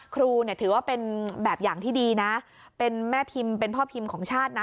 ครูเนี่ยถือว่าเป็นแบบอย่างที่ดีนะเป็นแม่พิมพ์เป็นพ่อพิมพ์ของชาตินะ